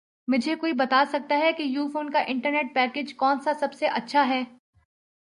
مجھے کوئی بتا سکتا ہے کہ یوفون کا انٹرنیٹ پیکج کون سا سب سے اچھا ہے